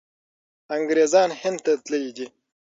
انګریزان هند ته تللي دي.